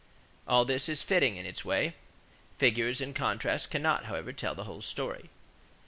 = All this is fitting in its way. Figures and contrasts cannot, however, tell the whole story.